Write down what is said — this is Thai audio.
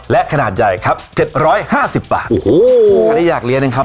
และขนาดใหญ่ครับเจ็ดร้อยห้าสิบบาทโอ้โหอันนี้อยากเรียนนะครับ